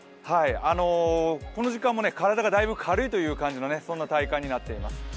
この時間も体がだいぶ軽いという感じの体感になっています。